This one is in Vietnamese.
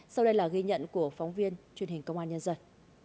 sau đây là ghi nhận của phóng viên truyền hình công an nhân dân